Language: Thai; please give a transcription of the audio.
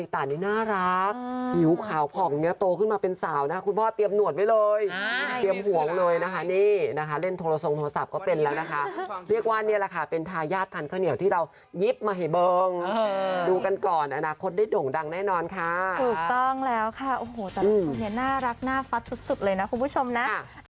ถูกต้องแล้วค่ะตรงนี้น่ารักน่าฟัดสุดเลยนะคุณผู้ชมนะ